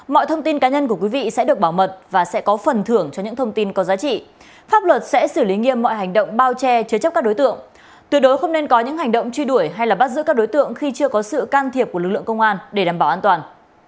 mọi thông tin cá nhân của quý vị sẽ được bảo mật và sẽ có phần thưởng cho những thông tin có giá trị pháp luật sẽ xử lý nghiêm mọi hành động bao che chứa chấp các đối tượng tuyệt đối không nên có những hành động truy đuổi hay bắt giữ các đối tượng khi chưa có sự can thiệp của lực lượng công an để đảm bảo an toàn